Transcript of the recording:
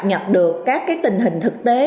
nhập được các tình hình thực tế